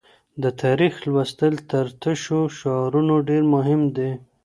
د تاریخ لوستل تر تشو شعارونو ډېر مهم دي.